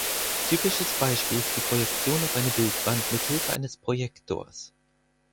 Typisches Beispiel ist die Projektion auf eine Bildwand mit Hilfe eines Projektors.